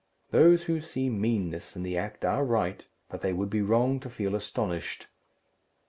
Those who see meanness in the act are right, but they would be wrong to feel astonished.